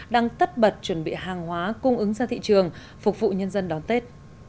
đang tất bật chuẩn bị hàng hóa cung ứng ra thị trường phục vụ nhân dân đón tết